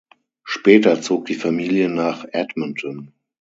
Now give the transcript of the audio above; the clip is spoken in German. Später zog die Familie nach Edmonton.